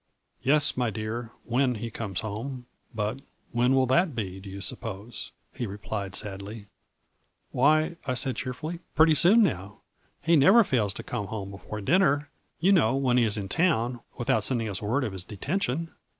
" 'Yes, my dear, when he comes home, but when will that be, do you suppose?' he replied sadly. "' Why,' I said, cheerfully, ' pretty soon now. He never fails to come home before dinner, you know, when he is in town, without sending us word of his detention